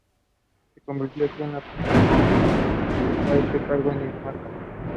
It covers part of the city of Brockton in Plymouth County.